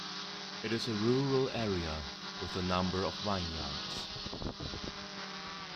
It is a rural area with a number of vineyards.